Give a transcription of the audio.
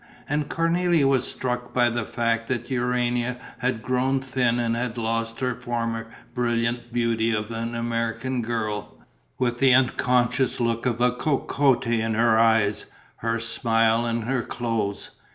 And Cornélie was struck by the fact that Urania had grown thin and had lost her former brilliant beauty of an American girl, with the unconscious look of a cocotte in her eyes, her smile and her clothes.